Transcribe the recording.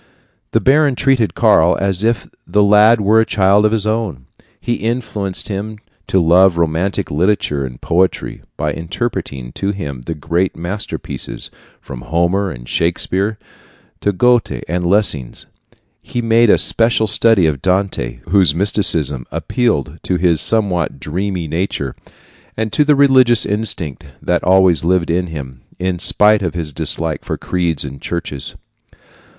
The baron treated Karl as if the lad were a child of his own. He influenced him to love romantic literature and poetry by interpreting to him the great masterpieces, from Homer and Shakespeare to Goethe and Lessing. He made a special study of Dante, whose mysticism appealed to his somewhat dreamy nature, and to the religious instinct that always lived in him, in spite of his dislike for creeds and churches.